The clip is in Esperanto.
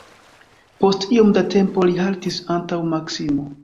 Post iom da tempo li haltis antaŭ Maksimo.